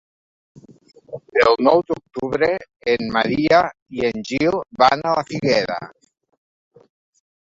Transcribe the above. El nou d'octubre en Maria i en Gil van a la Figuera.